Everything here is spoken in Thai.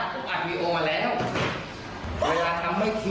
ผมอาจมีตัวมาแล้วเวลาทำไม่คิด